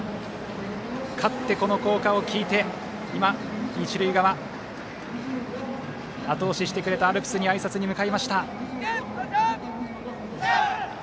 勝って、この校歌を聴いて一塁側あと押ししてくれたアルプスにあいさつに向かいました。